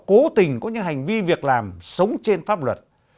cố tình có những hành vi việc làm sống trên pháp luật